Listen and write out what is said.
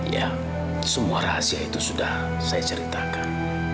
ya semua rahasia itu sudah saya ceritakan